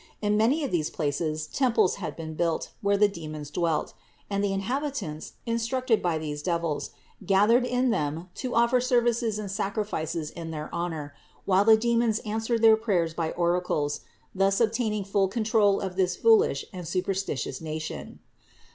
In many of these places temples had been built, where the demons dwelt; and the inhabitants, instructed by these devils, gathered in them to offer services and sacrifices in their honor, while the demons answered their prayers by oracles, thus obtaining full control of this foolish and superstitious nation.